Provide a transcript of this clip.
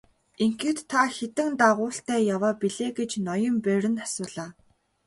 Ингэхэд та хэдэн дагуултай яваа билээ гэж ноён Берн асуулаа.